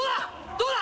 どうだ？